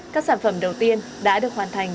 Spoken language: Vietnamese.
các sản phẩm đầu tiên đã được hoàn thành